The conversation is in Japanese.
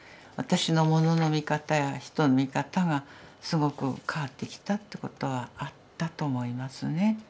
私のものの見方や人の見方がすごく変わってきたってことはあったと思いますね。